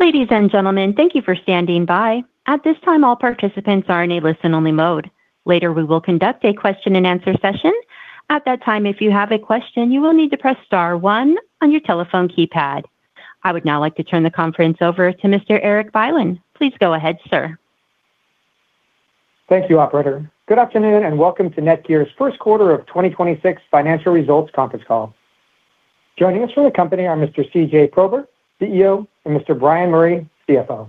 At that time, if you have a question, you will need to press star one on your telephone keypad. I would now like to turn the conference over to Mr. Erik Bylin. Please go ahead, sir. Thank you, operator. Good afternoon, welcome to NETGEAR's first quarter of 2026 financial results conference call. Joining us from the company are Mr. CJ Prober, CEO, and Mr. Bryan Murray, CFO.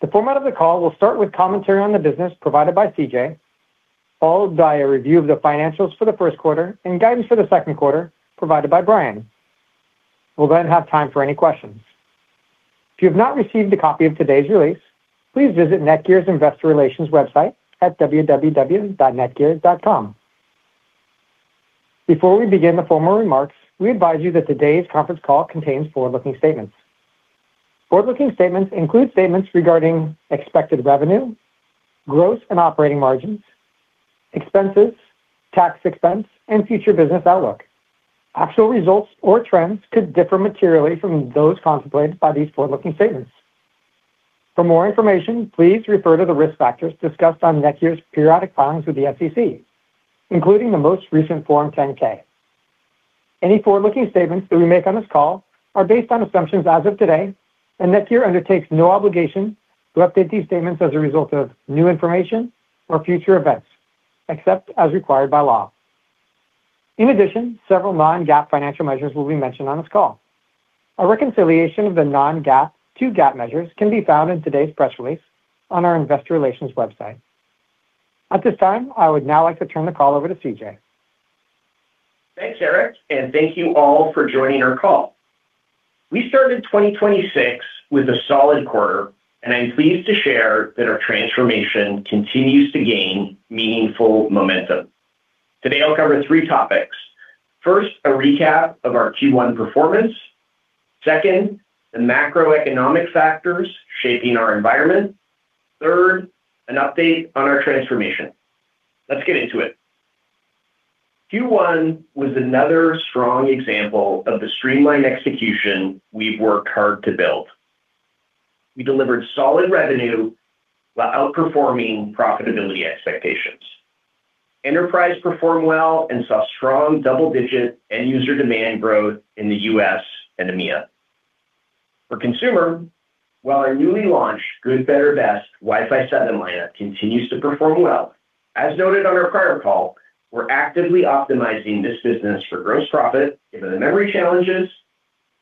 The format of the call will start with commentary on the business provided by CJ, followed by a review of the financials for the first quarter and guidance for the second quarter provided by Bryan. We'll have time for any questions. If you have not received a copy of today's release, please visit NETGEAR's investor relations website at www.netgear.com. Before we begin the formal remarks, we advise you that today's conference call contains forward-looking statements. Forward-looking statements include statements regarding expected revenue, growth and operating margins, expenses, tax expense and future business outlook. Actual results or trends could differ materially from those contemplated by these forward-looking statements. For more information, please refer to the risk factors discussed on NETGEAR's periodic filings with the SEC, including the most recent Form 10-K. Any forward-looking statements that we make on this call are based on assumptions as of today, and NETGEAR undertakes no obligation to update these statements as a result of new information or future events, except as required by law. In addition, several non-GAAP financial measures will be mentioned on this call. A reconciliation of the non-GAAP to GAAP measures can be found in today's press release on our investor relations website. At this time, I would now like to turn the call over to CJ Thanks, Erik, and thank you all for joining our call. We started 2026 with a solid quarter, and I'm pleased to share that our transformation continues to gain meaningful momentum. Today, I'll cover three topics. First, a recap of our Q1 performance. Second, the macroeconomic factors shaping our environment. Third, an update on our transformation. Let's get into it. Q1 was another strong example of the streamlined execution we've worked hard to build. We delivered solid revenue while outperforming profitability expectations. Enterprise performed well and saw strong double-digit end-user demand growth in the U.S. and EMEA. For consumer, while our newly launched good, better, best Wi-Fi 7 lineup continues to perform well, as noted on our prior call, we're actively optimizing this business for gross profit given the memory challenges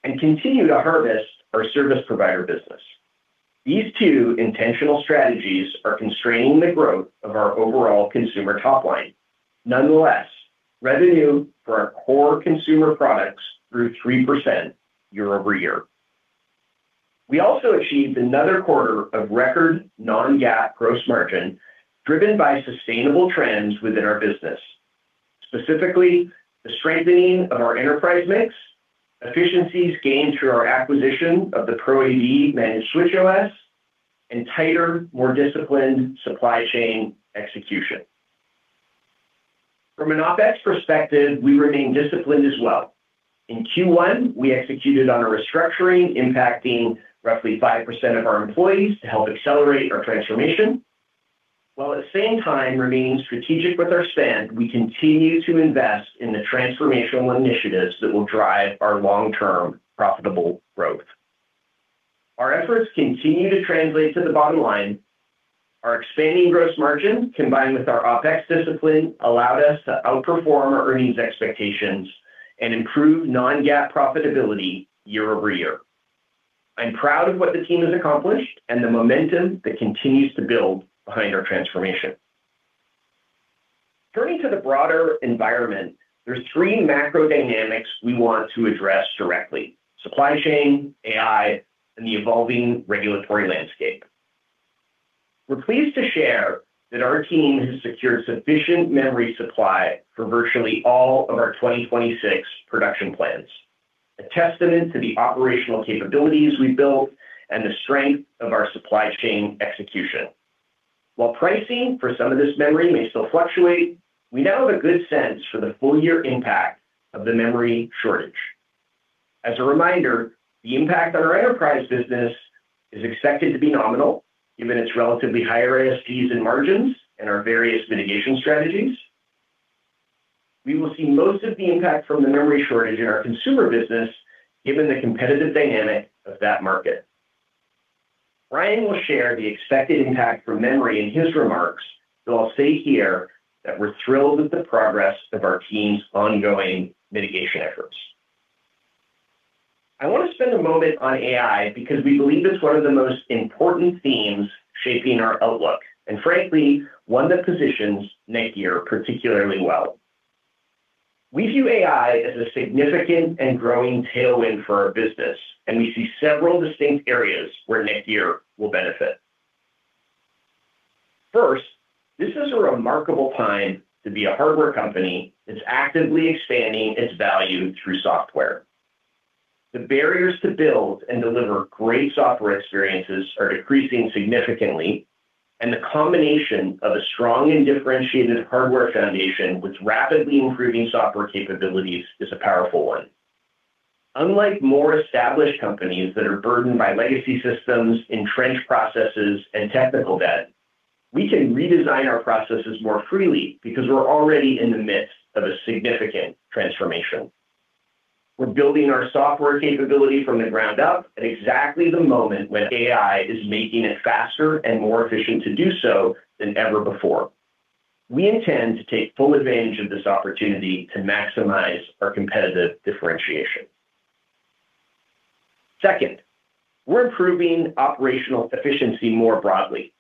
and continue to harvest our service provider business. These two intentional strategies are constraining the growth of our overall consumer top line. Nonetheless, revenue for our core consumer products grew 3% year-over-year. We also achieved another quarter of record non-GAAP gross margin driven by sustainable trends within our business, specifically the strengthening of our enterprise mix, efficiencies gained through our acquisition of the ProAV managed switch OS, and tighter, more disciplined supply chain execution. From an OpEx perspective, we remain disciplined as well. In Q1, we executed on a restructuring impacting roughly 5% of our employees to help accelerate our transformation. While at the same time remaining strategic with our spend, we continue to invest in the transformational initiatives that will drive our long-term profitable growth. Our efforts continue to translate to the bottom line. Our expanding gross margin combined with our OpEx discipline allowed us to outperform our earnings expectations and improve non-GAAP profitability year-over-year. I'm proud of what the team has accomplished and the momentum that continues to build behind our transformation. Turning to the broader environment, there's three macro dynamics we want to address directly: supply chain, AI, and the evolving regulatory landscape. We're pleased to share that our team has secured sufficient memory supply for virtually all of our 2026 production plans, a testament to the operational capabilities we built and the strength of our supply chain execution. While pricing for some of this memory may still fluctuate, we now have a good sense for the full year impact of the memory shortage. As a reminder, the impact on our enterprise business is expected to be nominal given its relatively higher ASPs and margins and our various mitigation strategies. We will see most of the impact from the memory shortage in our consumer business given the competitive dynamic of that market. Bryan will share the expected impact from memory in his remarks, so I'll say here that we're thrilled with the progress of our team's ongoing mitigation efforts. I want to spend a moment on AI because we believe it's one of the most important themes shaping our outlook, and frankly, one that positions NETGEAR particularly well. We view AI as a significant and growing tailwind for our business, and we see several distinct areas where NETGEAR will benefit. First, this is a remarkable time to be a hardware company that's actively expanding its value through software. The barriers to build and deliver great software experiences are decreasing significantly. The combination of a strong and differentiated hardware foundation with rapidly improving software capabilities is a powerful one. Unlike more established companies that are burdened by legacy systems, entrenched processes, and technical debt, we can redesign our processes more freely because we're already in the midst of a significant transformation. We're building our software capability from the ground up at exactly the moment when AI is making it faster and more efficient to do so than ever before. We intend to take full advantage of this opportunity to maximize our competitive differentiation. Second, we're improving operational efficiency more broadly.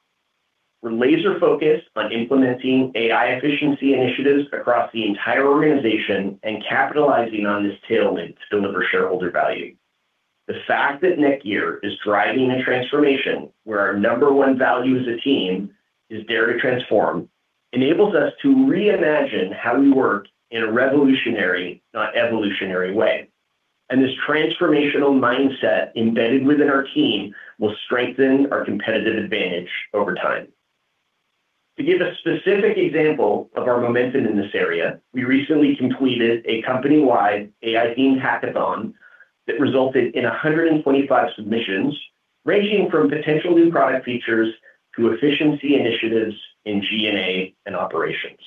We're laser-focused on implementing AI efficiency initiatives across the entire organization and capitalizing on this tailwind to deliver shareholder value. The fact that NETGEAR is driving a transformation where our number one value as a team is dare to transform enables us to reimagine how we work in a revolutionary, not evolutionary way. This transformational mindset embedded within our team will strengthen our competitive advantage over time. To give a specific example of our momentum in this area, we recently completed a company-wide AI-themed hackathon that resulted in 125 submissions, ranging from potential new product features to efficiency initiatives in G&A and operations.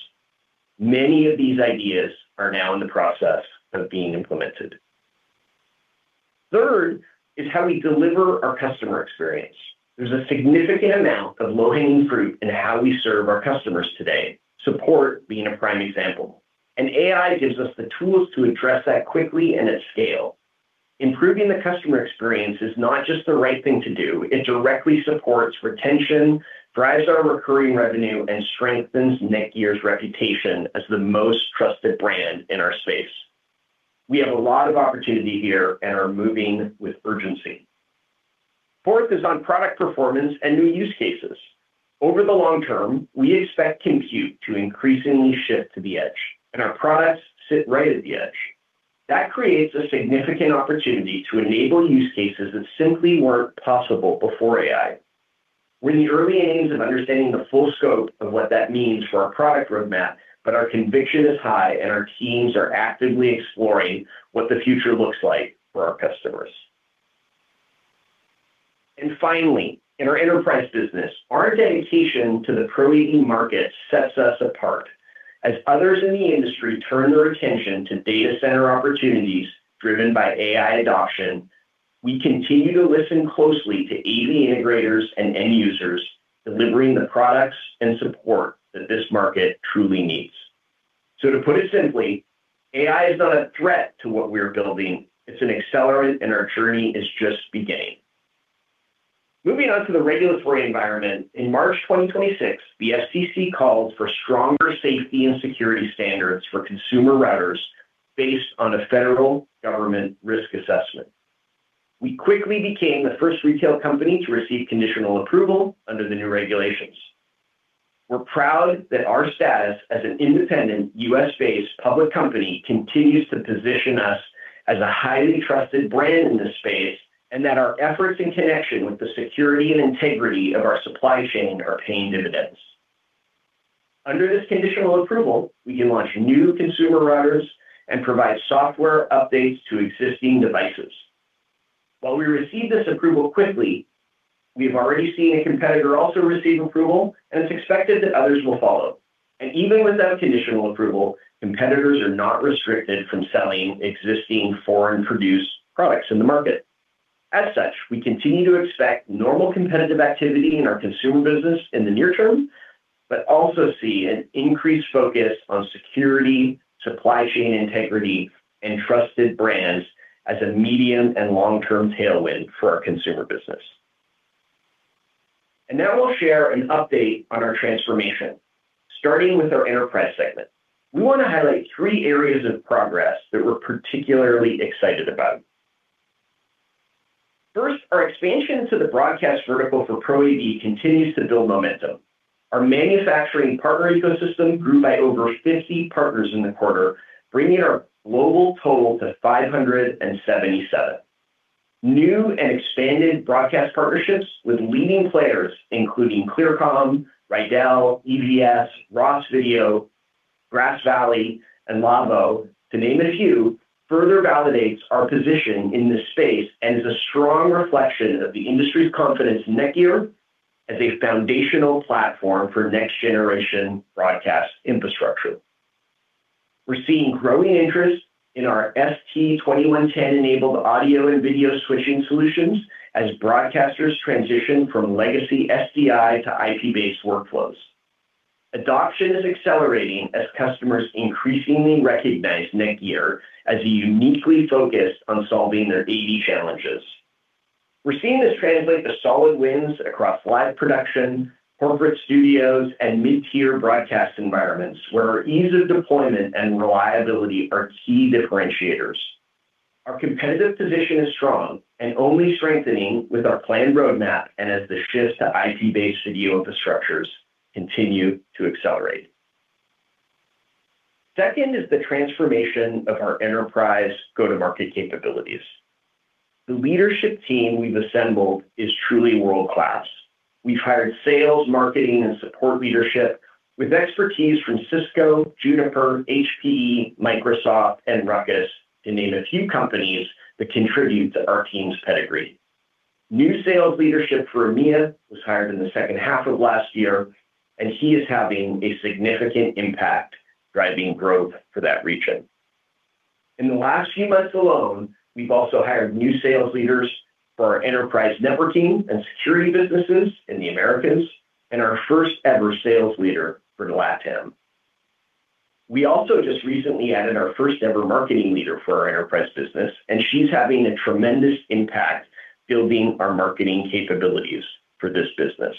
Many of these ideas are now in the process of being implemented. Third is how we deliver our customer experience. There's a significant amount of low-hanging fruit in how we serve our customers today, support being a prime example. AI gives us the tools to address that quickly and at scale. Improving the customer experience is not just the right thing to do, it directly supports retention, drives our recurring revenue, and strengthens NETGEAR's reputation as the most trusted brand in our space. We have a lot of opportunity here and are moving with urgency. Fourth is on product performance and new use cases. Over the long term, we expect compute to increasingly shift to the edge, and our products sit right at the edge. That creates a significant opportunity to enable use cases that simply weren't possible before AI. We're in the early innings of understanding the full scope of what that means for our product roadmap, but our conviction is high, and our teams are actively exploring what the future looks like for our customers. Finally, in our enterprise business, our dedication to the ProAV market sets us apart. As others in the industry turn their attention to data center opportunities driven by AI adoption, we continue to listen closely to AV integrators and end users, delivering the products and support that this market truly needs. To put it simply, AI is not a threat to what we're building. It's an accelerant, and our journey is just beginning. Moving on to the regulatory environment, in March 2026, the FCC called for stronger safety and security standards for consumer routers based on a federal government risk assessment. We quickly became the first retail company to receive conditional approval under the new regulations. We're proud that our status as an independent U.S.-based public company continues to position us as a highly trusted brand in this space and that our efforts in connection with the security and integrity of our supply chain are paying dividends. Under this conditional approval, we can launch new consumer routers and provide software updates to existing devices. While we received this approval quickly, we've already seen a competitor also receive approval, and it's expected that others will follow. Even without conditional approval, competitors are not restricted from selling existing foreign-produced products in the market. As such, we continue to expect normal competitive activity in our consumer business in the near term, but also see an increased focus on security, supply chain integrity, and trusted brands as a medium and long-term tailwind for our consumer business. Now I'll share an update on our transformation, starting with our enterprise segment. We want to highlight three areas of progress that we're particularly excited about. First, our expansion to the broadcast vertical for ProAV continues to build momentum. Our manufacturing partner ecosystem grew by over 50 partners in the quarter, bringing our global total to 577. New and expanded broadcast partnerships with leading players, including Clear-Com, Riedel, EVS, Ross Video, Grass Valley, and Lawo, to name a few, further validates our position in this space and is a strong reflection of the industry's confidence in NETGEAR as a foundational platform for next-generation broadcast infrastructure. We're seeing growing interest in our ST 2110-enabled audio and video switching solutions as broadcasters transition from legacy SDI to IP-based workflows. Adoption is accelerating as customers increasingly recognize NETGEAR as uniquely focused on solving their AV challenges. We're seeing this translate to solid wins across live production, corporate studios, and mid-tier broadcast environments where ease of deployment and reliability are key differentiators. Our competitive position is strong and only strengthening with our planned roadmap as the shift to IP-based studio infrastructures continue to accelerate. Second is the transformation of our enterprise go-to-market capabilities. The leadership team we've assembled is truly world-class. We've hired sales, marketing, and support leadership with expertise from Cisco, Juniper, HPE, Microsoft, and Ruckus to name a few companies that contribute to our team's pedigree. New sales leadership for EMEA was hired in the second half of last year. He is having a significant impact driving growth for that region. In the last few months alone, we've also hired new sales leaders for our enterprise networking and security businesses in the Americas and our first-ever sales leader for LATAM. We also just recently added our first-ever marketing leader for our enterprise business. She's having a tremendous impact building our marketing capabilities for this business.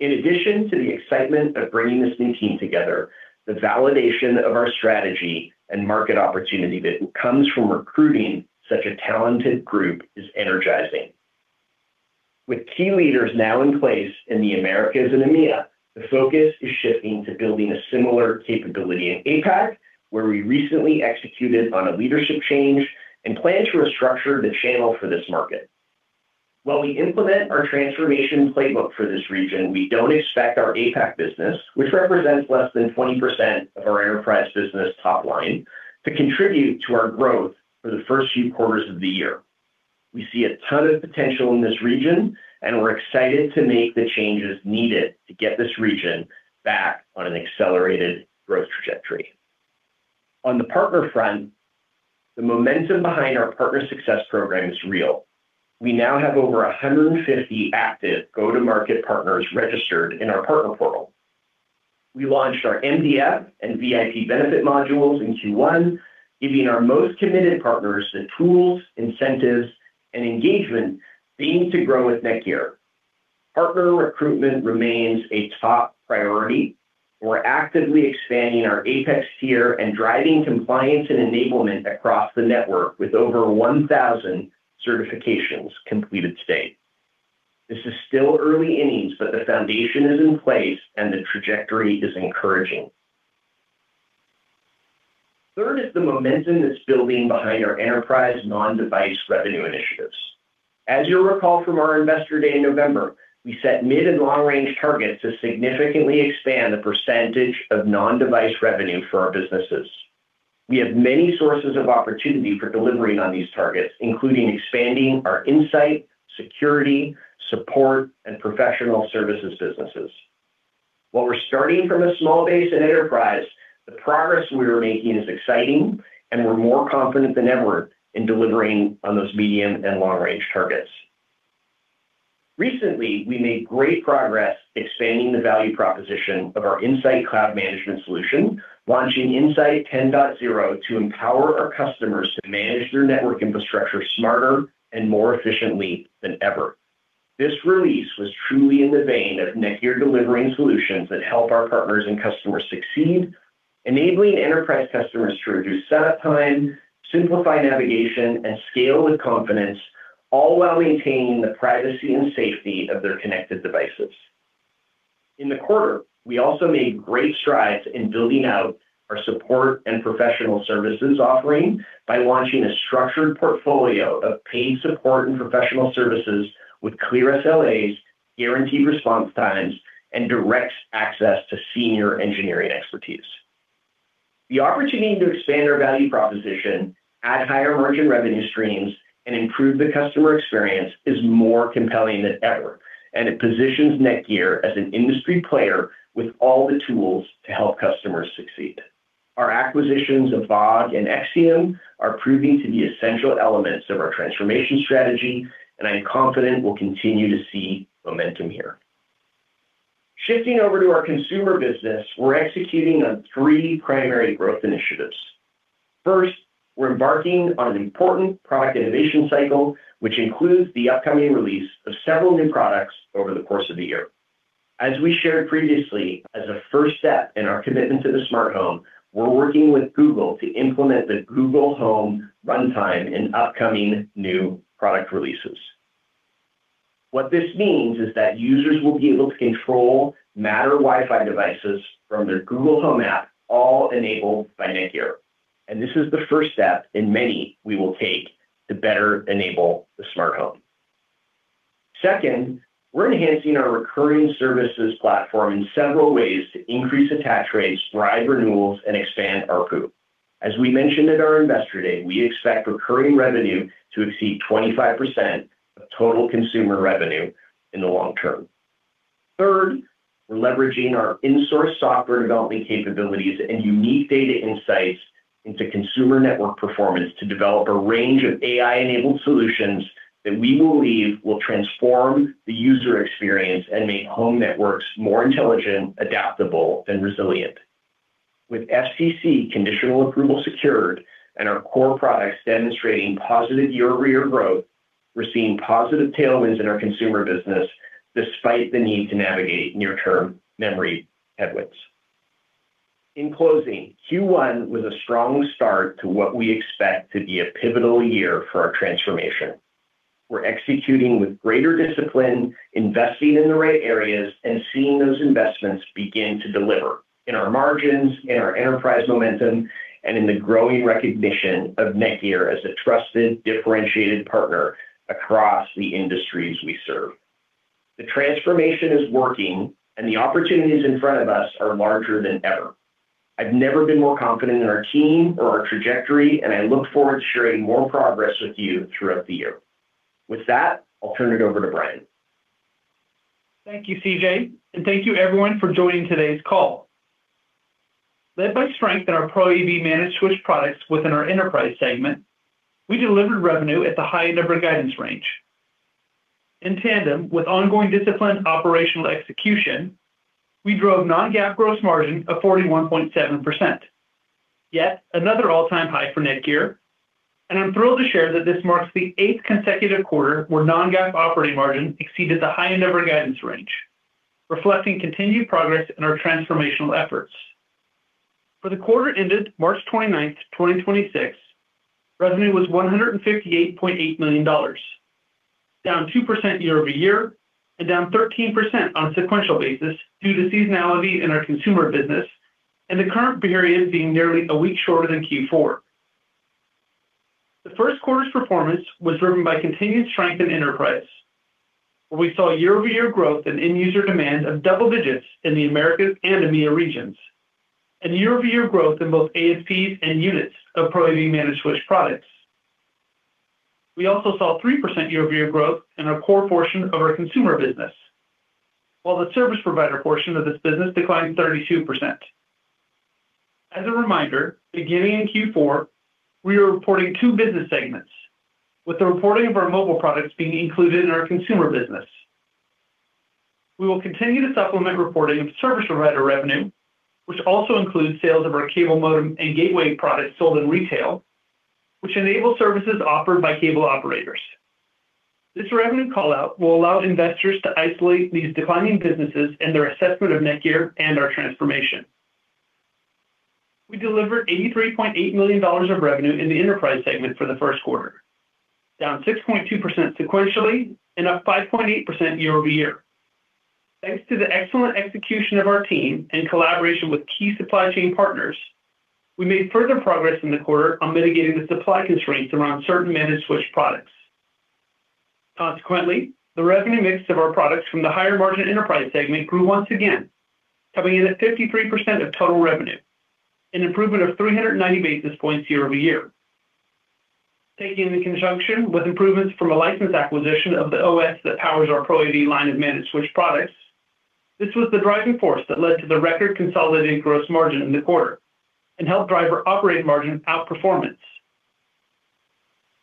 In addition to the excitement of bringing this new team together, the validation of our strategy and market opportunity that comes from recruiting such a talented group is energizing. With key leaders now in place in the Americas and EMEA, the focus is shifting to building a similar capability in APAC, where we recently executed on a leadership change and plan to restructure the channel for this market. While we implement our transformation playbook for this region, we don't expect our APAC business, which represents less than 20% of our enterprise business top line, to contribute to our growth for the first few quarters of the year. We're excited to make the changes needed to get this region back on an accelerated growth trajectory. On the partner front, the momentum behind our partner success program is real. We now have over 150 active go-to-market partners registered in our partner portal. We launched our MDF and VIP benefit modules in Q1, giving our most committed partners the tools, incentives, and engagement they need to grow with NETGEAR. Partner recruitment remains a top priority. We're actively expanding our Apex tier and driving compliance and enablement across the network with over 1,000 certifications completed state. This is still early innings. The foundation is in place and the trajectory is encouraging. Third is the momentum that's building behind our enterprise non-device revenue initiatives. As you'll recall from our Investor Day in November, we set mid and long-range targets to significantly expand the percentage of non-device revenue for our businesses. We have many sources of opportunity for delivering on these targets, including expanding our Insight, security, support, and professional services businesses. While we're starting from a small base in enterprise, the progress we are making is exciting, and we're more confident than ever in delivering on those medium- and long-range targets. Recently, we made great progress expanding the value proposition of our Insight cloud management solution, launching Insight 10.0 to empower our customers to manage their network infrastructure smarter and more efficiently than ever. This release was truly in the vein of NETGEAR delivering solutions that help our partners and customers succeed, enabling enterprise customers to reduce setup time, simplify navigation, and scale with confidence, all while maintaining the privacy and safety of their connected devices. In the quarter, we also made great strides in building out our support and professional services offering by launching a structured portfolio of paid support and professional services with clear SLAs, guaranteed response times, and direct access to senior engineering expertise. The opportunity to expand our value proposition, add higher margin revenue streams, and improve the customer experience is more compelling than ever. It positions NETGEAR as an industry player with all the tools to help customers succeed. Our acquisitions of VAAG and Exium are proving to be essential elements of our transformation strategy. I'm confident we'll continue to see momentum here. Shifting over to our consumer business, we're executing on three primary growth initiatives. First, we're embarking on an important product innovation cycle, which includes the upcoming release of several new products over the course of the year. As we shared previously, as a first step in our commitment to the smart home, we're working with Google to implement the Google Home runtime in upcoming new product releases. What this means is that users will be able to control Matter Wi-Fi devices from their Google Home app, all enabled by NETGEAR. This is the first step in many we will take to better enable the smart home. Second, we're enhancing our recurring services platform in several ways to increase attach rates, drive renewals, and expand ARPU. As we mentioned at our Investor Day, we expect recurring revenue to exceed 25% of total consumer revenue in the long term. Third, we're leveraging our in-source software development capabilities and unique data insights into consumer network performance to develop a range of AI-enabled solutions that we believe will transform the user experience and make home networks more intelligent, adaptable, and resilient. With FCC conditional approval secured and our core products demonstrating positive year-over-year growth, we're seeing positive tailwinds in our consumer business despite the need to navigate near-term memory headwinds. In closing, Q1 was a strong start to what we expect to be a pivotal year for our transformation. We're executing with greater discipline, investing in the right areas, and seeing those investments begin to deliver in our margins, in our enterprise momentum, and in the growing recognition of NETGEAR as a trusted, differentiated partner across the industries we serve. The transformation is working, and the opportunities in front of us are larger than ever. I've never been more confident in our team or our trajectory, and I look forward to sharing more progress with you throughout the year. With that, I'll turn it over to Bryan. Thank you, CJ, thank you everyone for joining today's call. Led by strength in our ProAV Managed Switch products within our enterprise segment, we delivered revenue at the high end of our guidance range. In tandem with ongoing disciplined operational execution, we drove non-GAAP gross margin of 41.7%. Yet another all-time high for NETGEAR, and I'm thrilled to share that this marks the eighth consecutive quarter where non-GAAP operating margin exceeded the high end of our guidance range, reflecting continued progress in our transformational efforts. For the quarter ended March 29, 2026, revenue was $158.8 million, down 2% year-over-year and down 13% on a sequential basis due to seasonality in our consumer business and the current period being nearly a week shorter than Q4. The first quarter's performance was driven by continued strength in enterprise, where we saw year-over-year growth in end-user demand of double digits in the Americas and EMEA regions and year-over-year growth in both ASPs and units of ProAV Managed Switch products. We also saw 3% year-over-year growth in our core portion of our consumer business, while the service provider portion of this business declined 32%. As a reminder, beginning in Q4, we are reporting two business segments, with the reporting of our mobile products being included in our consumer business. We will continue to supplement reporting of service provider revenue, which also includes sales of our cable modem and gateway products sold in retail, which enable services offered by cable operators. This revenue call-out will allow investors to isolate these declining businesses in their assessment of NETGEAR and our transformation. We delivered $83.8 million of revenue in the enterprise segment for the first quarter, down 6.2% sequentially and up 5.8% year-over-year. Thanks to the excellent execution of our team in collaboration with key supply chain partners, we made further progress in the quarter on mitigating the supply constraints around certain managed switch products. Consequently, the revenue mix of our products from the higher margin enterprise segment grew once again, coming in at 53% of total revenue, an improvement of 390 basis points year-over-year. Taken in conjunction with improvements from a license acquisition of the OS that powers our ProAV line of managed switch products, this was the driving force that led to the record consolidating gross margin in the quarter and helped drive our operating margin outperformance.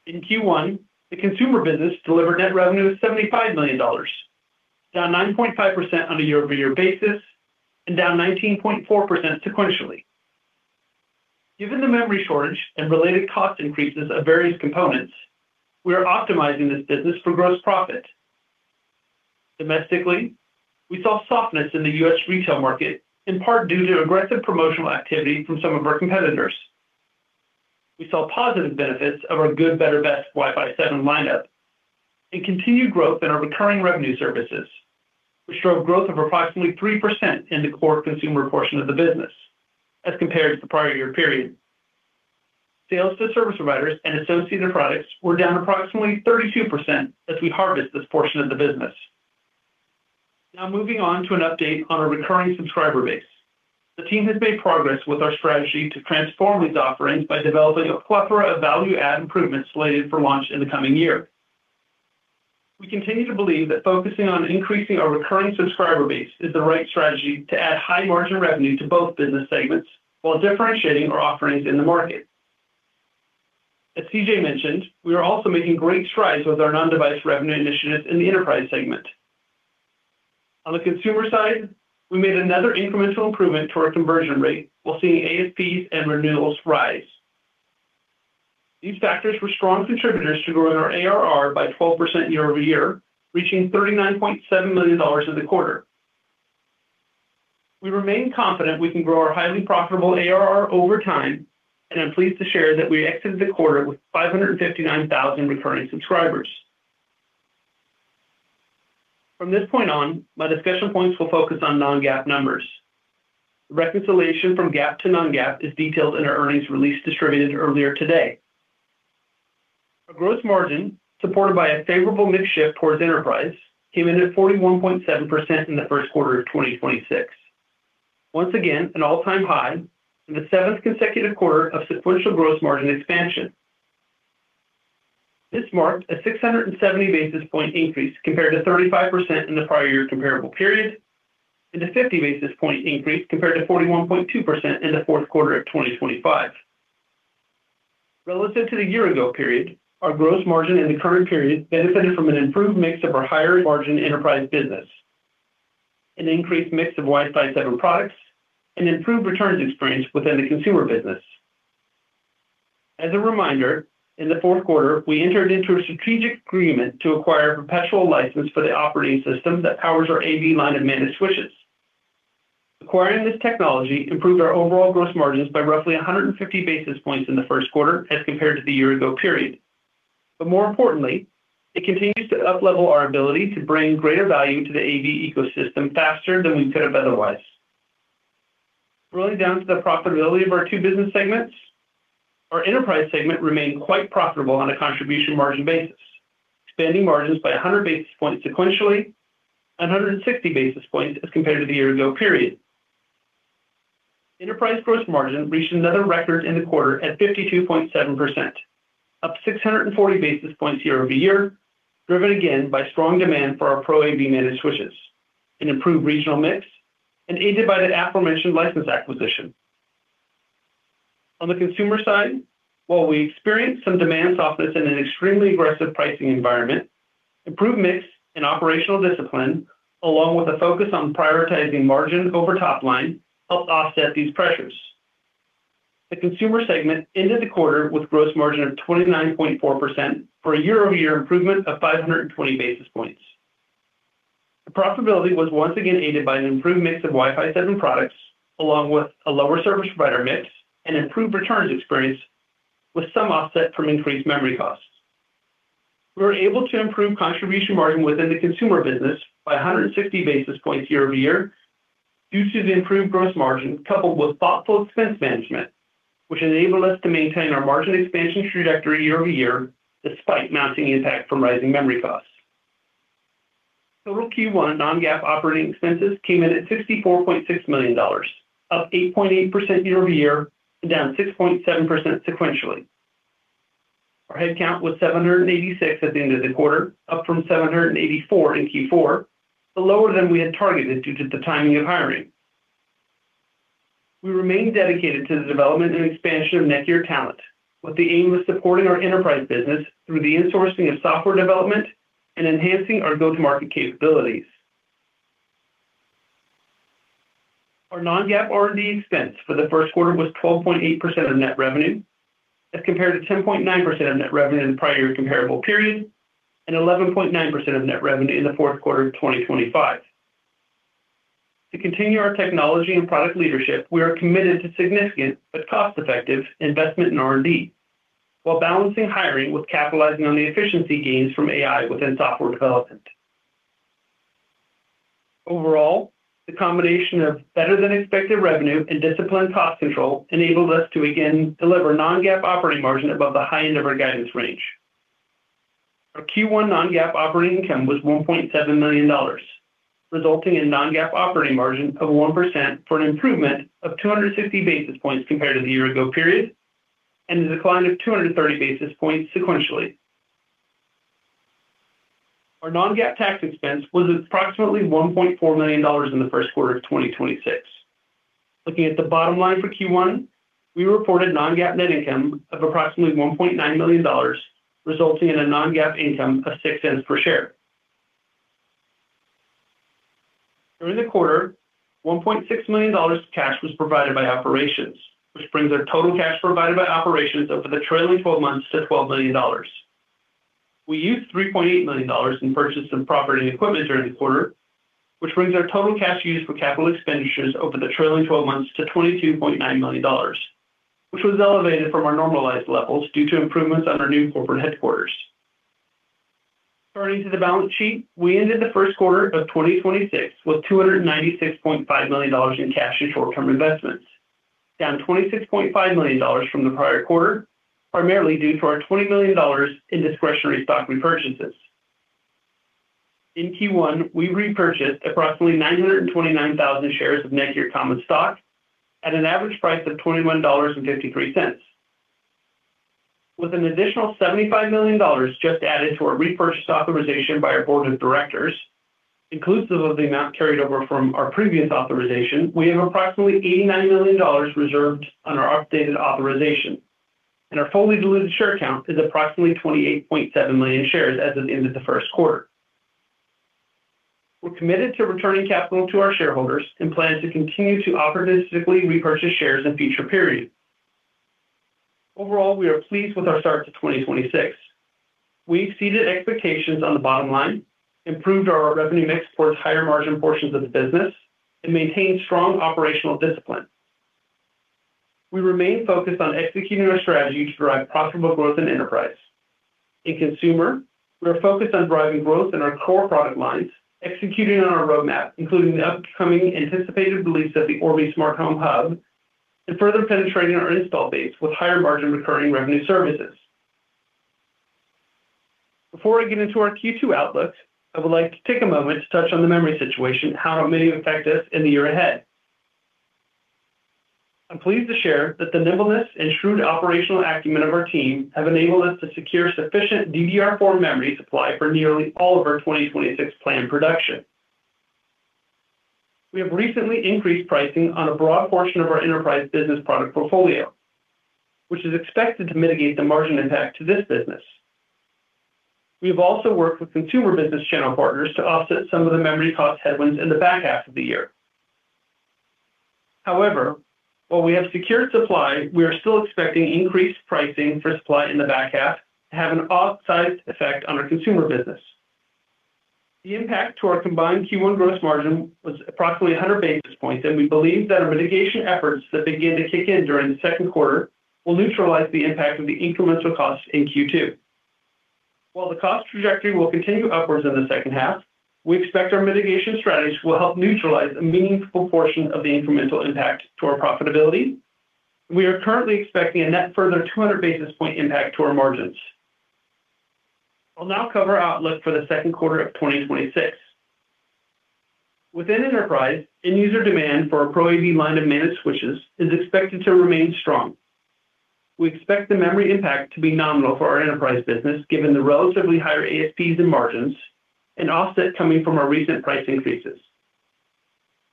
In Q1, the consumer business delivered net revenue of $75 million, down 9.5% on a year-over-year basis and down 19.4% sequentially. Given the memory shortage and related cost increases of various components, we are optimizing this business for gross profit. Domestically, we saw softness in the U.S. retail market, in part due to aggressive promotional activity from some of our competitors. We saw positive benefits of our good, better, best Wi-Fi 7 lineup and continued growth in our recurring revenue services, which drove growth of approximately 3% in the core consumer portion of the business as compared to the prior year period. Sales to service providers and associated products were down approximately 32% as we harvest this portion of the business. Moving on to an update on our recurring subscriber base. The team has made progress with our strategy to transform these offerings by developing a plethora of value add improvements slated for launch in the coming year. We continue to believe that focusing on increasing our recurring subscriber base is the right strategy to add high margin revenue to both business segments while differentiating our offerings in the market. As CJ mentioned, we are also making great strides with our non-device revenue initiatives in the enterprise segment. On the consumer side, we made another incremental improvement to our conversion rate while seeing ASPs and renewals rise. These factors were strong contributors to growing our ARR by 12% year-over-year, reaching $39.7 million in the quarter. We remain confident we can grow our highly profitable ARR over time and am pleased to share that we exited the quarter with 559,000 recurring subscribers. From this point on, my discussion points will focus on non-GAAP numbers. Reconciliation from GAAP to non-GAAP is detailed in our earnings release distributed earlier today. Our gross margin, supported by a favorable mix shift towards enterprise, came in at 41.7% in the first quarter of 2026. Once again, an all-time high and the seventh consecutive quarter of sequential gross margin expansion. This marked a 670 basis point increase compared to 35% in the prior year comparable period and a 50 basis point increase compared to 41.2% in the fourth quarter of 2025. Relative to the year ago period, our gross margin in the current period benefited from an improved mix of our higher margin enterprise business, an increased mix of Wi-Fi 7 products, and improved returns experience within the consumer business. As a reminder, in the fourth quarter, we entered into a strategic agreement to acquire a perpetual license for the operating system that powers our AV line of managed switches. Acquiring this technology improved our overall gross margins by roughly 150 basis points in the first quarter as compared to the year ago period. More importantly, it continues to up-level our ability to bring greater value to the AV ecosystem faster than we could have otherwise. Rolling down to the profitability of our two business segments, our enterprise segment remained quite profitable on a contribution margin basis, expanding margins by 100 basis points sequentially, and 160 basis points as compared to the year ago period. Enterprise gross margin reached another record in the quarter at 52.7%, up 640 basis points year-over-year, driven again by strong demand for our ProAV Managed Switches, an improved regional mix, and aided by the aforementioned license acquisition. On the consumer side, while we experienced some demand softness in an extremely aggressive pricing environment, improved mix and operational discipline, along with a focus on prioritizing margin over top line, helped offset these pressures. The consumer segment ended the quarter with gross margin of 29.4% for a year-over-year improvement of 520 basis points. The profitability was once again aided by an improved mix of Wi-Fi 7 products, along with a lower service provider mix and improved returns experience with some offset from increased memory costs. We were able to improve contribution margin within the consumer business by 160 basis points year-over-year due to the improved gross margin, coupled with thoughtful expense management, which enabled us to maintain our margin expansion trajectory year-over-year, despite mounting impact from rising memory costs. Total Q1 non-GAAP operating expenses came in at $64.6 million, up 8.8% year-over-year, and down 6.7% sequentially. Our head count was 786 at the end of the quarter, up from 784 in Q4, but lower than we had targeted due to the timing of hiring. We remain dedicated to the development and expansion of NETGEAR talent, with the aim of supporting our enterprise business through the insourcing of software development and enhancing our go-to-market capabilities. Our non-GAAP R&D expense for the first quarter was 12.8% of net revenue, as compared to 10.9% of net revenue in the prior comparable period, and 11.9% of net revenue in the fourth quarter of 2025. To continue our technology and product leadership, we are committed to significant but cost-effective investment in R&D, while balancing hiring with capitalizing on the efficiency gains from AI within software development. Overall, the combination of better than expected revenue and disciplined cost control enabled us to again deliver non-GAAP operating margin above the high end of our guidance range. Our Q1 non-GAAP operating income was $1.7 million, resulting in non-GAAP operating margin of 1% for an improvement of 250 basis points compared to the year-ago period, and a decline of 230 basis points sequentially. Our non-GAAP tax expense was approximately $1.4 million in the first quarter of 2026. Looking at the bottom line for Q1, we reported non-GAAP net income of approximately $1.9 million, resulting in a non-GAAP income of $0.06 per share. During the quarter, $1.6 million cash was provided by operations, which brings our total cash provided by operations over the trailing 12 months to $12 million. We used $3.8 million in purchase and property equipment during the quarter, which brings our total cash used for capital expenditures over the trailing 12 months to $22.9 million, which was elevated from our normalized levels due to improvements on our new corporate headquarters. Turning to the balance sheet, we ended the first quarter of 2026 with $296.5 million in cash and short-term investments, down $26.5 million from the prior quarter, primarily due to our $20 million in discretionary stock repurchases. In Q1, we repurchased approximately 929,000 shares of NETGEAR common stock at an average price of $21.53. With an additional $75 million just added to our repurchase authorization by our board of directors, inclusive of the amount carried over from our previous authorization, we have approximately $89 million reserved on our updated authorization, and our fully diluted share count is approximately 28.7 million shares as of the end of the first quarter. We're committed to returning capital to our shareholders and plan to continue to opportunistically repurchase shares in future periods. Overall, we are pleased with our start to 2026. We exceeded expectations on the bottom line, improved our revenue mix towards higher margin portions of the business, and maintained strong operational discipline. We remain focused on executing our strategy to drive profitable growth and enterprise. In consumer, we are focused on driving growth in our core product lines, executing on our roadmap, including the upcoming anticipated release of the Orbi Smart Home Hub, and further penetrating our install base with higher margin recurring revenue services. Before I get into our Q2 outlook, I would like to take a moment to touch on the memory situation and how it may affect us in the year ahead. I'm pleased to share that the nimbleness and shrewd operational acumen of our team have enabled us to secure sufficient DDR4 memory supply for nearly all of our 2026 planned production. We have recently increased pricing on a broad portion of our enterprise business product portfolio, which is expected to mitigate the margin impact to this business. We have also worked with consumer business channel partners to offset some of the memory cost headwinds in the back half of the year. While we have secured supply, we are still expecting increased pricing for supply in the back half to have an outsized effect on our consumer business. The impact to our combined Q1 gross margin was approximately 100 basis points, and we believe that our mitigation efforts that begin to kick in during the second quarter will neutralize the impact of the incremental costs in Q2. While the cost trajectory will continue upwards in the second half, we expect our mitigation strategies will help neutralize a meaningful portion of the incremental impact to our profitability. We are currently expecting a net further 200 basis point impact to our margins. I'll now cover our outlook for the second quarter of 2026. Within enterprise, end user demand for our ProAV line of managed switches is expected to remain strong. We expect the memory impact to be nominal for our enterprise business, given the relatively higher ASPs and margins, and offset coming from our recent price increases.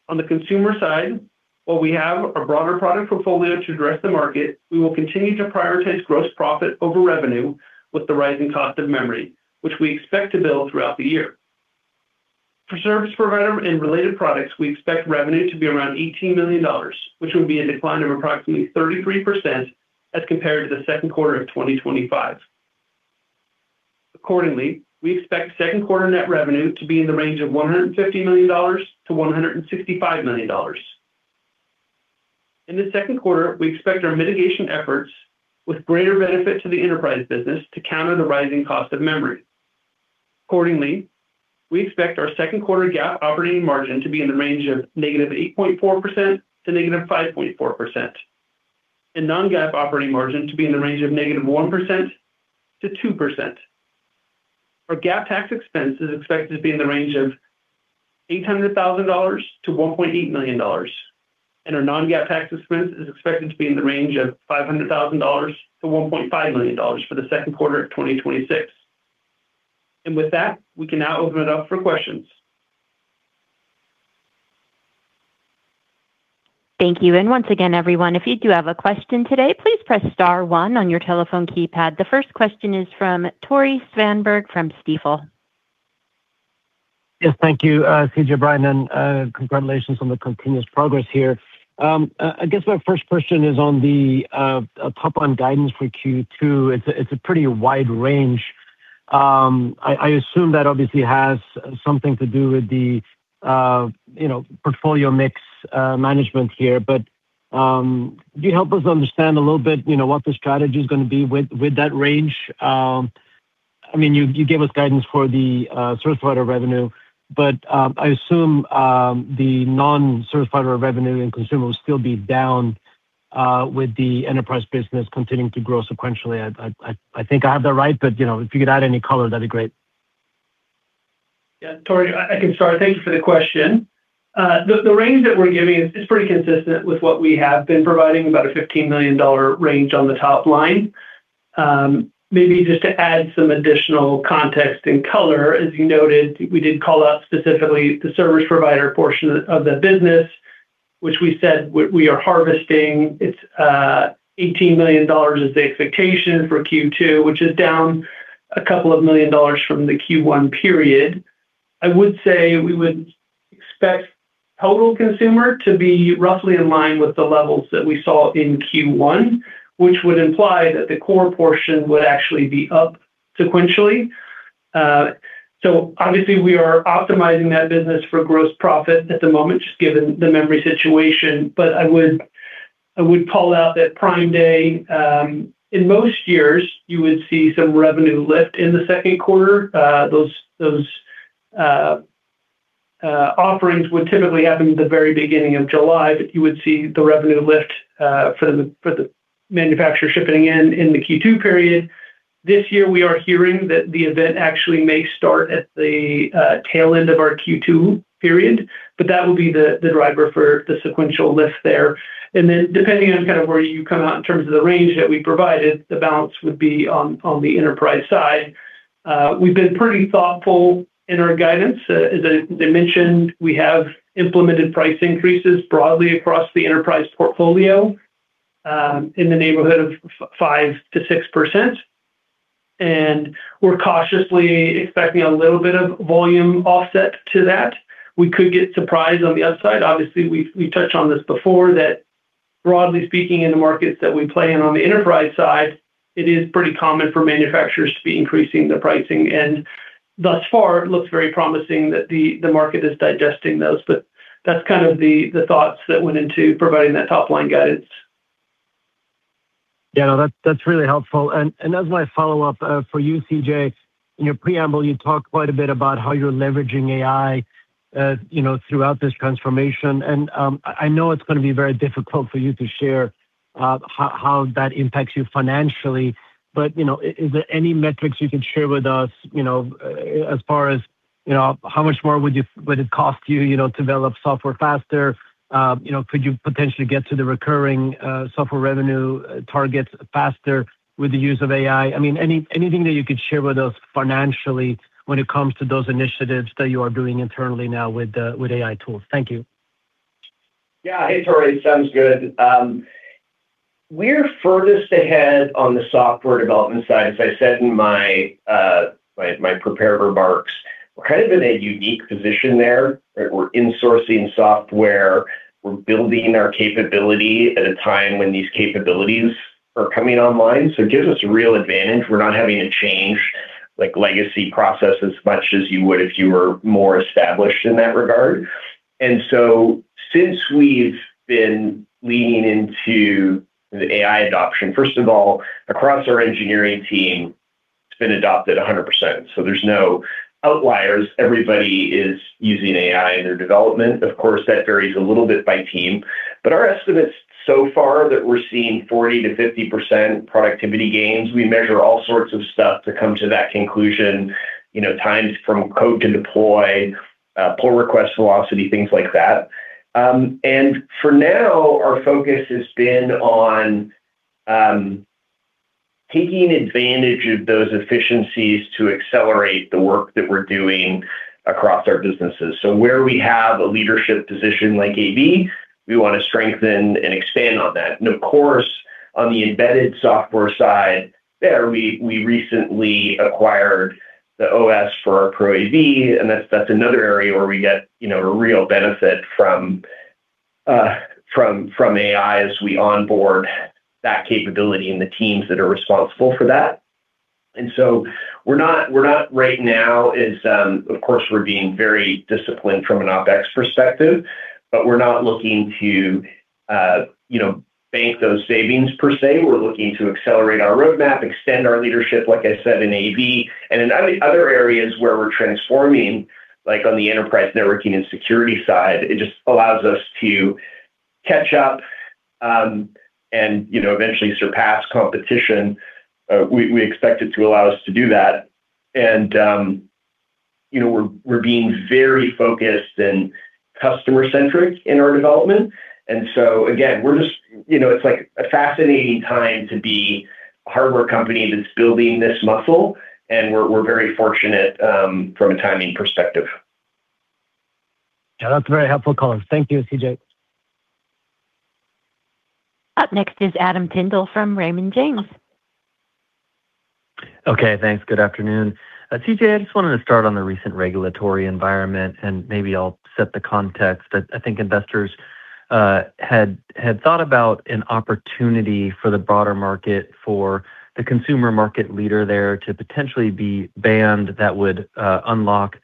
On the consumer side, while we have a broader product portfolio to address the market, we will continue to prioritize gross profit over revenue with the rising cost of memory, which we expect to build throughout the year. For service provider and related products, we expect revenue to be around $18 million, which would be a decline of approximately 33% as compared to the second quarter of 2025. Accordingly, we expect second quarter net revenue to be in the range of $150 million-$165 million. In the second quarter, we expect our mitigation efforts with greater benefit to the enterprise business to counter the rising cost of memory. Accordingly, we expect our second quarter GAAP operating margin to be in the range of -8.4% to -5.4%, and non-GAAP operating margin to be in the range of -1% to 2%. Our GAAP tax expense is expected to be in the range of $800,000-$1.8 million, and our non-GAAP tax expense is expected to be in the range of $500,000-$1.5 million for the second quarter of 2026. With that, we can now open it up for questions. Thank you. Once again, everyone, if you do have a question today, please press star one on your telephone keypad. The first question is from Tore Svanberg from Stifel. Yes. Thank you, CJ, Bryan, and congratulations on the continuous progress here. I guess my first question is on the top on guidance for Q2. It's a pretty wide range. I assume that obviously has something to do with the, you know, portfolio mix management here. Could you help us understand a little bit, you know, what the strategy is gonna be with that range? I mean, you gave us guidance for the service provider revenue, I assume the non-service provider revenue and consumer will still be down with the enterprise business continuing to grow sequentially. I think I have that right, you know, if you could add any color, that'd be great. Tore, I can start. Thank you for the question. The range that we're giving is pretty consistent with what we have been providing, about a $15 million range on the top line. Maybe just to add some additional context and color, as you noted, we did call out specifically the service provider portion of the business, which we said we are harvesting. It's $18 million is the expectation for Q2, which is down a couple of million dollars from the Q1 period. I would say we would expect total consumer to be roughly in line with the levels that we saw in Q1, which would imply that the core portion would actually be up sequentially. Obviously we are optimizing that business for gross profit at the moment, just given the memory situation. I would call out that Prime Day, in most years, you would see some revenue lift in the second quarter. Those offerings would typically happen at the very beginning of July, but you would see the revenue lift for the manufacturer shipping in the Q2 period. This year, we are hearing that the event actually may start at the tail end of our Q2 period, but that will be the driver for the sequential lift there. Depending on kind of where you come out in terms of the range that we provided, the balance would be on the enterprise side. We've been pretty thoughtful in our guidance. As I mentioned, we have implemented price increases broadly across the enterprise portfolio, in the neighborhood of 5%-6%, and we're cautiously expecting a little bit of volume offset to that. We could get surprised on the upside. Obviously, we've touched on this before, that broadly speaking in the markets that we play in on the enterprise side, it is pretty common for manufacturers to be increasing their pricing. Thus far, it looks very promising that the market is digesting those. That's kind of the thoughts that went into providing that top-line guidance. No, that's really helpful. As my follow-up, for you, CJ, in your preamble, you talked quite a bit about how you're leveraging AI, you know, throughout this transformation. I know it's going to be very difficult for you to share how that impacts you financially, but, you know, is there any metrics you can share with us, you know, as far as, you know, how much more would it cost you know, to develop software faster? You know, could you potentially get to the recurring software revenue targets faster with the use of AI? I mean, anything that you could share with us financially when it comes to those initiatives that you are doing internally now with AI tools. Thank you. Hey, Tore. Sounds good. We're furthest ahead on the software development side. As I said in my prepared remarks, we're kind of in a unique position there, right? We're insourcing software. We're building our capability at a time when these capabilities are coming online, so it gives us a real advantage. We're not having to change like legacy process as much as you would if you were more established in that regard. Since we've been leaning into the AI adoption, first of all, across our engineering team, it's been adopted 100%. There's no outliers. Everybody is using AI in their development. Of course, that varies a little bit by team. Our estimates so far that we're seeing 40%-50% productivity gains, we measure all sorts of stuff to come to that conclusion, you know, times from code to deploy, pull request velocity, things like that. For now, our focus has been on taking advantage of those efficiencies to accelerate the work that we're doing across our businesses. Where we have a leadership position like ProAV, we wanna strengthen and expand on that. Of course, on the embedded software side, there we recently acquired the OS for our ProAV, and that's another area where we get, you know, a real benefit from AI as we onboard that capability and the teams that are responsible for that. We're not right now is, of course, we're being very disciplined from an OpEx perspective, but we're not looking to, you know, bank those savings per se. We're looking to accelerate our roadmap, extend our leadership, like I said, in AV. In other areas where we're transforming, like on the enterprise networking and security side, it just allows us to catch up, and, you know, eventually surpass competition. We expect it to allow us to do that. You know, we're being very focused and customer-centric in our development. Again, you know, it's like a fascinating time to be a hardware company that's building this muscle, and we're very fortunate from a timing perspective. Yeah, that's very helpful color. Thank you, CJ Up next is Adam Tindle from Raymond James. Okay, thanks. Good afternoon. CJ, I just wanted to start on the recent regulatory environment. Maybe I'll set the context. I think investors had thought about an opportunity for the broader market for the consumer market leader there to potentially be banned that would unlock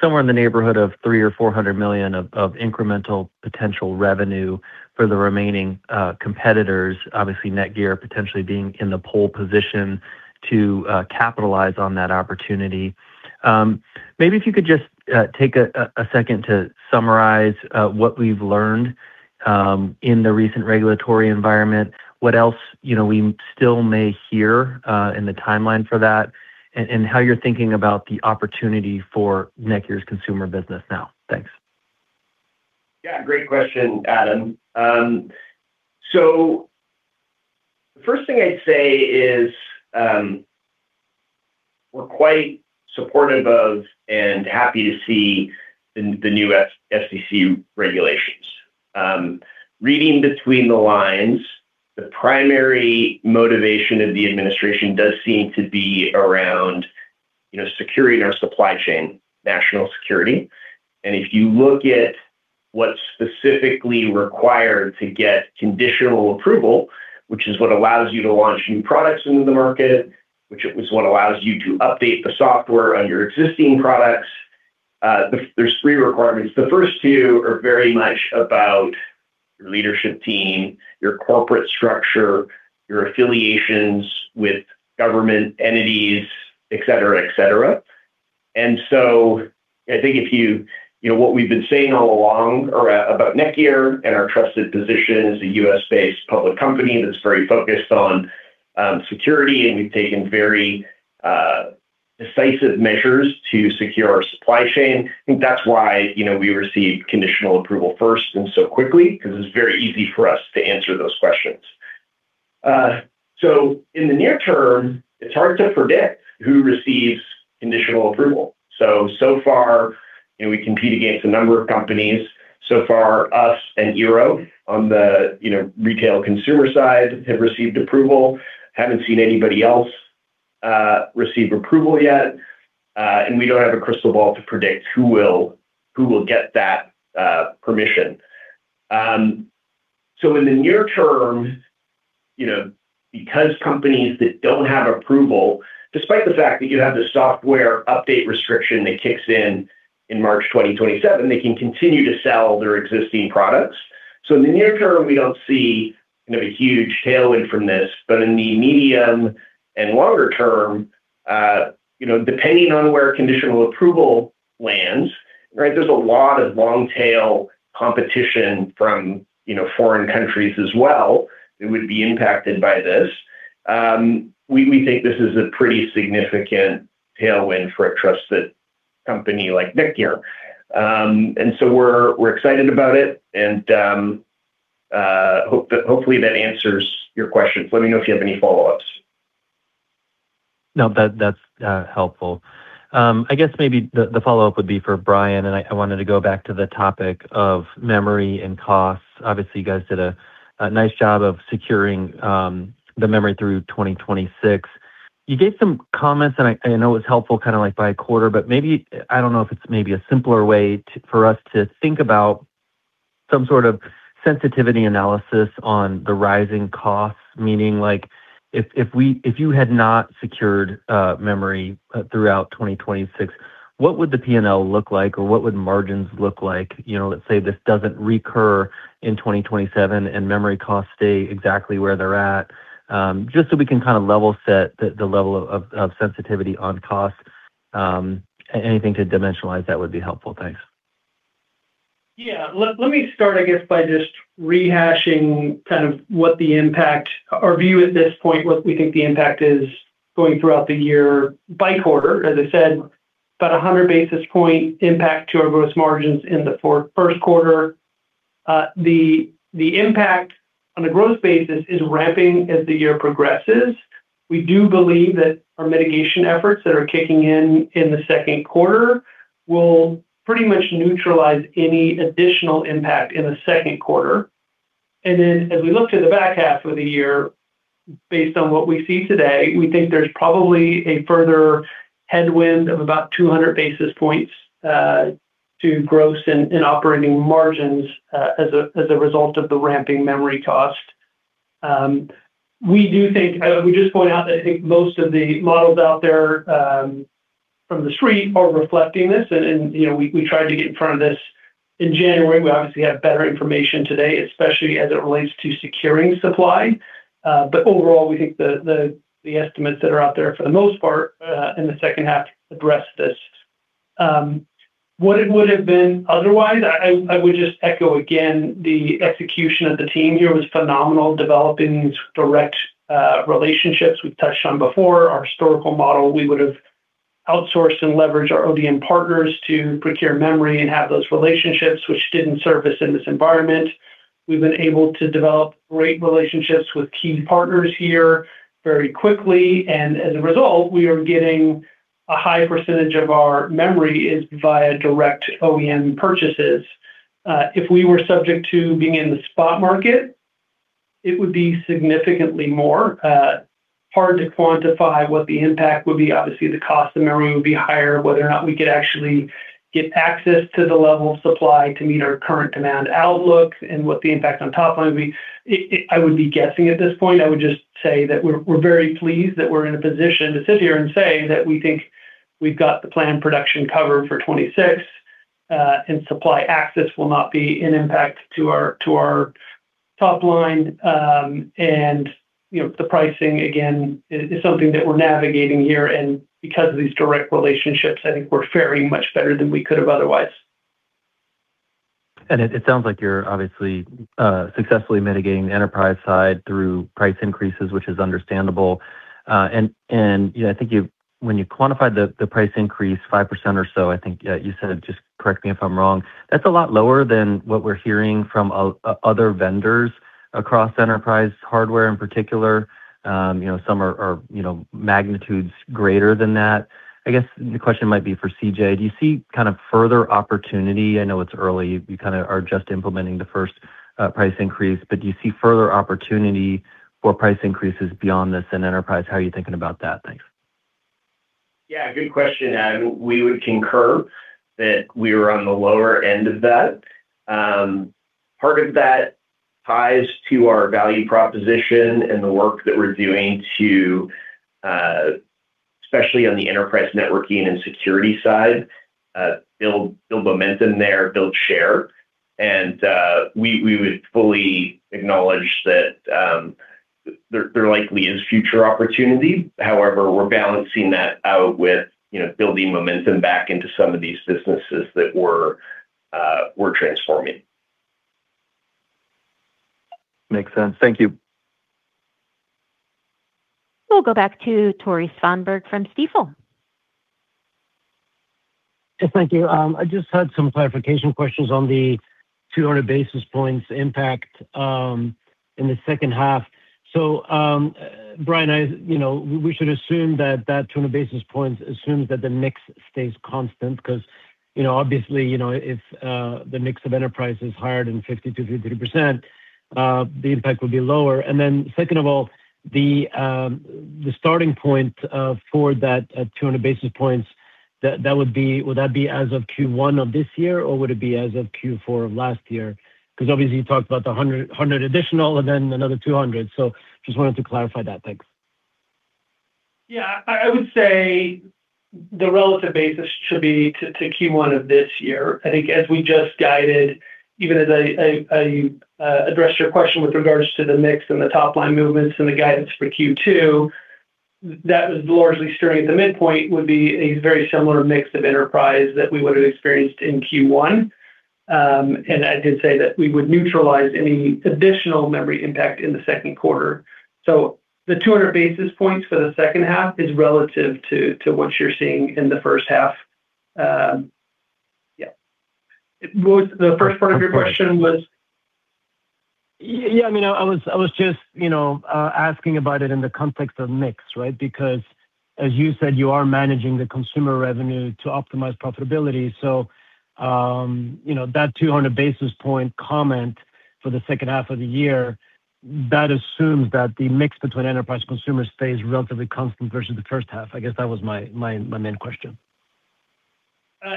somewhere in the neighborhood of $300 million or $400 million of incremental potential revenue for the remaining competitors. Obviously, NETGEAR potentially being in the pole position to capitalize on that opportunity. Maybe if you could just take a second to summarize what we've learned in the recent regulatory environment, what else, you know, we still may hear in the timeline for that, and how you're thinking about the opportunity for NETGEAR's consumer business now. Thanks. Yeah, great question, Adam. The first thing I'd say is we're quite supportive of and happy to see the new FCC regulations. Reading between the lines, the primary motivation of the administration does seem to be around, you know, security in our supply chain, national security. If you look at what's specifically required to get conditional approval, which is what allows you to launch new products into the market, which is what allows you to update the software on your existing products, there's three requirements. The first two are very much about your leadership team, your corporate structure, your affiliations with government entities, et cetera, et cetera. I think if you... You know, what we've been saying all along about NETGEAR and our trusted position as a U.S.-based public company that's very focused on security, and we've taken very decisive measures to secure our supply chain. I think that's why, you know, we received conditional approval first and so quickly because it's very easy for us to answer those questions. In the near term, it's hard to predict who receives conditional approval. So far, you know, we compete against a number of companies. So far, us and eero on the, you know, retail consumer side have received approval. Haven't seen anybody else receive approval yet, we don't have a crystal ball to predict who will get that permission. In the near term, you know, because companies that don't have approval, despite the fact that you have the software update restriction that kicks in in March 2027, they can continue to sell their existing products. In the near term, we don't see, you know, a huge tailwind from this. In the medium and longer term, you know, depending on where conditional approval lands, right, there's a lot of long tail competition from, you know, foreign countries as well that would be impacted by this. We think this is a pretty significant tailwind for a trusted company like NETGEAR. We're excited about it, and hopefully, that answers your questions. Let me know if you have any follow-ups. No, that's helpful. I guess maybe the follow-up would be for Bryan, and I wanted to go back to the topic of memory and costs. Obviously, you guys did a nice job of securing the memory through 2026. You gave some comments, and I know it was helpful kind of like by quarter, but maybe, I don't know if it's a simpler way for us to think about some sort of sensitivity analysis on the rising costs, meaning like if you had not secured memory throughout 2026, what would the P&L look like or what would margins look like? You know, let's say this doesn't recur in 2027 and memory costs stay exactly where they're at, just so we can kind of level set the level of sensitivity on costs. Anything to dimensionalize that would be helpful. Thanks. Let me start, I guess, by just rehashing kind of what the impact, our view at this point, what we think the impact is going throughout the year by quarter. As I said, about 100 basis point impact to our gross margins in the first quarter. The impact on a gross basis is ramping as the year progresses. We do believe that our mitigation efforts that are kicking in in the second quarter will pretty much neutralize any additional impact in the second quarter. As we look to the back half of the year, based on what we see today, we think there's probably a further headwind of about 200 basis points to gross and operating margins as a result of the ramping memory cost. We do think, let me just point out that I think most of the models out there from the street are reflecting this, and you know, we tried to get in front of this in January. We obviously have better information today, especially as it relates to securing supply. Overall, we think the estimates that are out there for the most part in the second half address this. What it would have been otherwise, I would just echo again, the execution of the team here was phenomenal, developing these direct relationships we've touched on before. Our historical model, we would have outsourced and leveraged our ODM partners to procure memory and have those relationships, which didn't serve us in this environment. We've been able to develop great relationships with key partners here very quickly, and as a result, we are getting a high percentage of our memory is via direct OEM purchases. If we were subject to being in the spot market, it would be significantly more hard to quantify what the impact would be. Obviously, the cost of memory would be higher, whether or not we could actually get access to the level of supply to meet our current demand outlook and what the impact on top line would be. I would be guessing at this point. I would just say that we're very pleased that we're in a position to sit here and say that we think we've got the planned production covered for 2026, and supply access will not be an impact to our top line. You know, the pricing again is something that we're navigating here, and because of these direct relationships, I think we're faring much better than we could have otherwise. It sounds like you're obviously successfully mitigating the enterprise side through price increases, which is understandable. You know, I think when you quantify the price increase, 5% or so, I think you said, just correct me if I'm wrong, that's a lot lower than what we're hearing from other vendors across enterprise hardware in particular. You know, some are, you know, magnitudes greater than that. I guess the question might be for CJ Do you see kind of further opportunity? I know it's early. You kind of are just implementing the first price increase, but do you see further opportunity for price increases beyond this in enterprise? How are you thinking about that? Thanks. Yeah, good question, Adam. We would concur that we are on the lower end of that. Part of that ties to our value proposition and the work that we're doing to, especially on the enterprise networking and security side, build momentum there, build share. We would fully acknowledge that there likely is future opportunity. However, we're balancing that out with, you know, building momentum back into some of these businesses that we're transforming. Makes sense. Thank you. We'll go back to Tore Svanberg from Stifel. Yes, thank you. I just had some clarification questions on the 200 basis points impact in the second half. Bryan, I, you know, we should assume that that 200 basis points assumes that the mix stays constant because, you know, obviously, you know, if the mix of enterprise is higher than 50%-53%, the impact would be lower. Second of all, the starting point for that 200 basis points, would that be as of Q1 of this year or would it be as of Q4 of last year? Obviously you talked about the 100 additional and then another 200. Just wanted to clarify that. Thanks. Yeah. I would say the relative basis should be to Q1 of this year. I think as we just guided, even as I addressed your question with regards to the mix and the top-line movements and the guidance for Q2, that was largely steering at the midpoint would be a very similar mix of enterprise that we would have experienced in Q1. I did say that we would neutralize any additional memory impact in the second quarter. The 200 basis points for the second half is relative to what you're seeing in the first half. Yeah. The first part of your question was? Yeah, I mean, I was just, you know, asking about it in the context of mix, right? As you said, you are managing the consumer revenue to optimize profitability. You know, that 200 basis point comment for the second half of the year, that assumes that the mix between enterprise consumers stays relatively constant versus the first half. I guess that was my main question.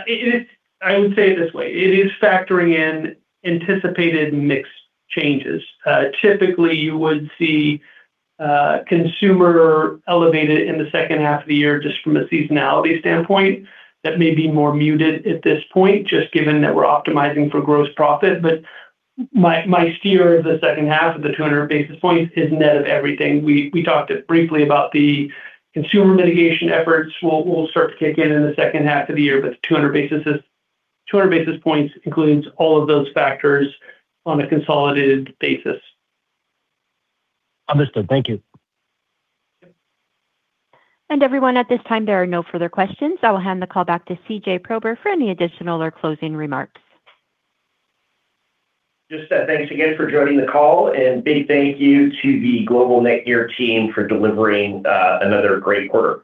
It is-- I would say it this way. It is factoring in anticipated mix changes. Typically, you would see consumer elevated in the second half of the year just from a seasonality standpoint that may be more muted at this point, just given that we're optimizing for gross profit. My steer of the second half of the 200 basis points is net of everything. We talked briefly about the consumer mitigation efforts will start to kick in the second half of the year, but 200 basis points includes all of those factors on a consolidated basis. Understood. Thank you. Sure. Everyone, at this time, there are no further questions. I will hand the call back to CJ Prober for any additional or closing remarks. Just, thanks again for joining the call, and big thank you to the global NETGEAR team for delivering another great quarter.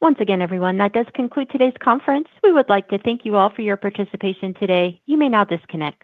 Once again, everyone, that does conclude today's conference. We would like to thank you all for your participation today. You may now disconnect.